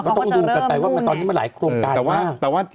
ก็ต้องดูแต่ว่าเหมาี่ก็มาหลายโครงการมาก